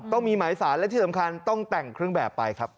ต้องมีหมายสารและที่สำคัญต้องแต่งเครื่องแบบไปครับ